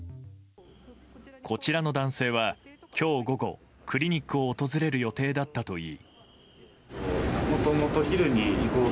こちらの男性は、今日午後クリニックを訪れる予定だったといい。